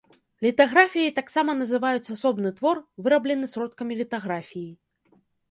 Літаграфіяй таксама называюць асобны твор, выраблены сродкамі літаграфіі.